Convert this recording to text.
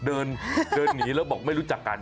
เดินหนีแล้วบอกไม่รู้จักกัน